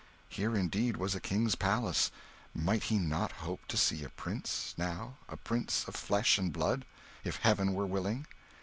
Here, indeed, was a king's palace. Might he not hope to see a prince now a prince of flesh and blood, if Heaven were willing?